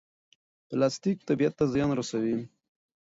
پلاستیک طبیعت ته زیان رسوي.